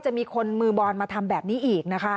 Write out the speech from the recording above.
จะมีคนมือบอลมาทำแบบนี้อีกนะคะ